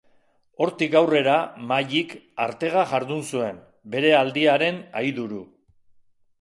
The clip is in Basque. Hortik aurrera Maddik artega jardun zuen, bere aldiaren aiduru.